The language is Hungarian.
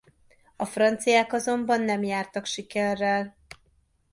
A franciák azonban nem jártak sikerrel.